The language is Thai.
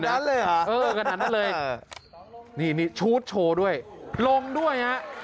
นั้นเลยเหรอเออขนาดนั้นเลยนี่นี่ชูดโชว์ด้วยลงด้วยฮะ